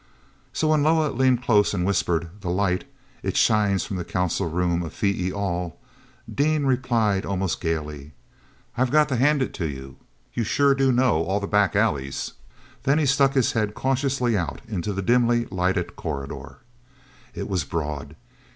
So when Loah leaned close and whispered, "The light—it shines from the council room of Phee e al," Dean replied almost gaily; "I've got to hand it to you—you sure do know all the back alleys." Then he stuck his head cautiously out into the dimly lighted corridor. It was broad.